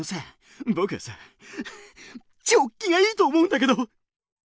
ぼくはさチョッキがいいと思うんだけど！